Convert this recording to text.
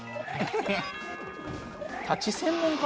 立ち専門か？